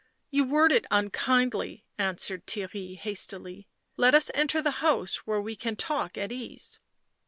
" You word it unkindly," answered Theirry hastily. " Let us enter the house, where we can talk at ease."